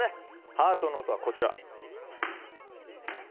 ハートの音はこちら。